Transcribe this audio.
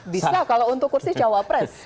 bisa kalau untuk kursi cawapres